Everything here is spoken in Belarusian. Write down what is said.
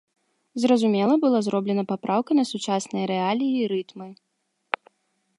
Зразумела, была зроблена папраўка на сучасныя рэаліі і рытмы.